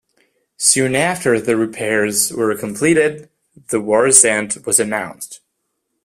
Soon after the repairs were completed, the war's end was announced.